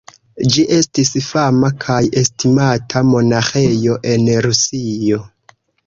Ĝi estis fama kaj estimata monaĥejo en Rusio.